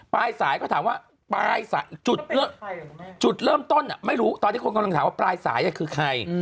ปลายสายก็ถามว่าปลายจุดเริ่มต้นไม่รู้ตอนนี้คนกำลังถามว่าปลายสายคือใคร